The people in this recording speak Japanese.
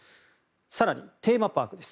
更に、テーマパークです。